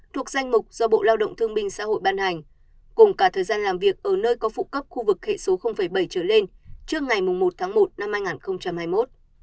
thuộc danh mục do bộ lao động thương minh xã hội ban hành cùng cả thời gian làm việc ở nơi có phụ cấp khu vực hệ số bảy trở lên trước ngày một tháng một năm hai nghìn hai mươi một